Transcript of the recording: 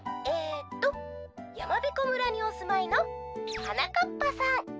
えっとやまびこ村におすまいのはなかっぱさん」。